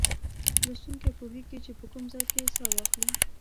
لوستونکی پوهیږي چې په کوم ځای کې سا واخلي.